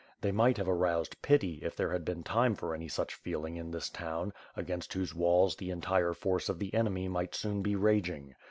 They might have aroused pity, if there had been time for any such feeling in this town, against whose walls the entire force of the enemy might soon be raging.